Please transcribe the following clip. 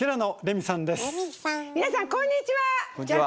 皆さんこんにちは！